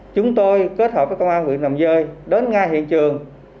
chúng tôi kết hợp với công an huyện đầm dơi đến ngay hiện trường